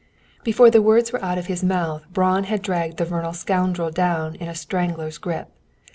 Before the words were out of his mouth, Braun had dragged the venal scoundrel down in a strangler's grip.